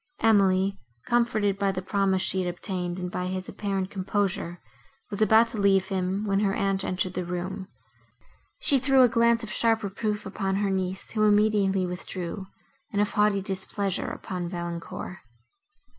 Emily, comforted by the promise she had obtained, and by his apparent composure, was about to leave him, when her aunt entered the room. She threw a glance of sharp reproof upon her niece, who immediately withdrew, and of haughty displeasure upon Valancourt.